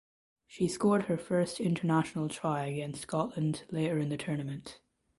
She scored her first international try against Scotland later in the tournament.